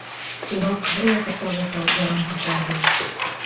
-Сулаҡ һәр ваҡыттағыса ярамһаҡланды.